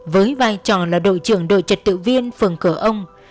với vai trò là đội trưởng đội trật tự viên phường cửa ông